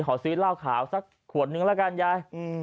ขอซื้อเหล้าขาวสักขวดนึงละกันยาย